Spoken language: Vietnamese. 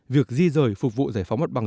việc di rời phục vụ giải phóng mắt bằng